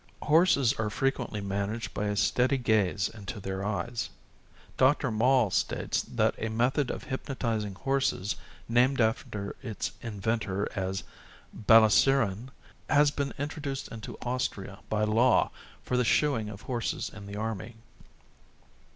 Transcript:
Horses are frequently managed by a steady gaze into their eyes. Dr. Moll states that a method of hypnotizing horses named after its inventor as Balassiren has been introduced into Austria by law for the shoeing of horses in the army.